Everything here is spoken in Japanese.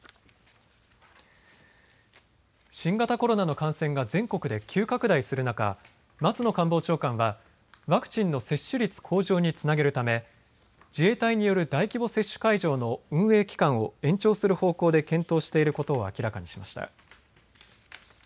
新型コロナの感染が全国で急拡大する中、松野官房長官はワクチンの接種率向上につなげるため、自衛隊による大規模接種会場の運営期間を延長する方向で検討していることを明らかにしました。